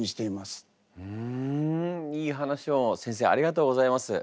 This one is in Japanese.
ふんいい話を先生ありがとうございます。